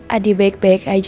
adi baik baik aja